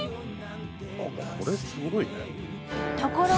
あっこれすごいね。